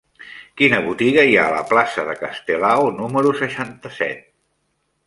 Quina botiga hi ha a la plaça de Castelao número seixanta-set?